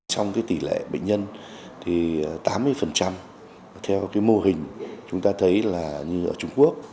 trong tỷ lệ bệnh nhân thì tám mươi theo mô hình chúng ta thấy là như ở trung quốc